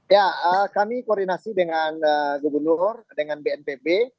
ya kami koordinasi dengan gubernur dengan bnpb